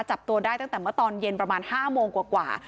จับตัวได้ตั้งแต่เมื่อตอนเย็นประมาณ๕โมงกว่า